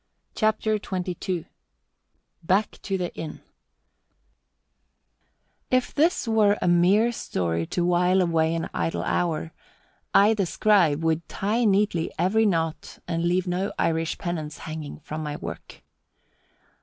CHAPTER XXII BACK TO THE INN If this were a mere story to while away an idle hour, I, the scribe, would tie neatly every knot and leave no Irish pennants hanging from my work.